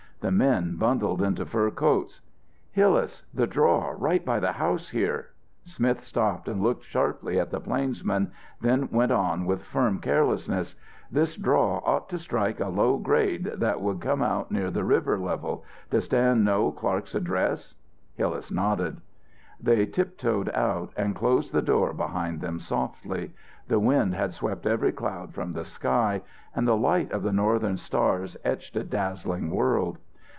The men bundled into fur coats. "Hillas, the draw right by the house here," Smith stopped and looked sharply at the plainsman, then went on with firm carelessness, "This draw ought to strike a low grade that would come out near the river level. Does Dan know Clark's address?" Hillas nodded. They tiptoed out and closed the door behind them softly. The wind had swept every cloud from the sky and the light of the northern stars etched a dazzling world.